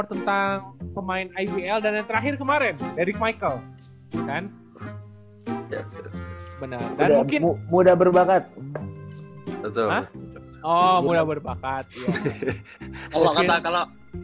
sangat berharap si derik ini bisa step up lah